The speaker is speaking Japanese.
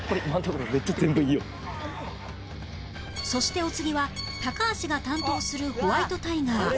そしてお次は高橋が担当するホワイトタイガー